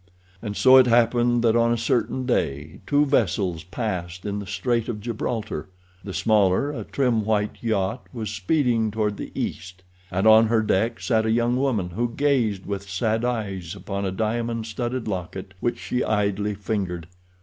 And so it happened that on a certain day two vessels passed in the Strait of Gibraltar. The smaller, a trim white yacht, was speeding toward the east, and on her deck sat a young woman who gazed with sad eyes upon a diamond studded locket which she idly fingered.